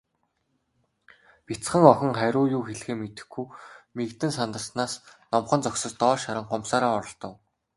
Бяцхан охин хариу юу хэлэхээ мэдэхгүй, мэгдэн сандарснаас номхон зогсож, доош харан хумсаараа оролдов.